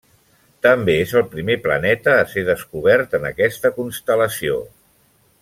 També és el primer planeta a ser descobert en aquesta constel·lació.